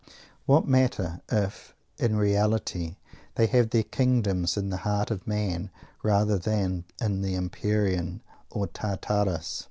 What matter if, in reality, they have their kingdoms in the heart of man rather than the Empyrean or Tartarus?